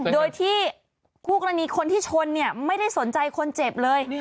โดยที่คู่กรณีคนที่ชนเนี่ยไม่ได้สนใจคนเจ็บเลย